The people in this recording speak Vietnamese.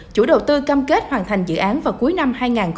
chủ đầu tư cam kết hoàn thành dự án vào cuối năm hai nghìn một mươi chín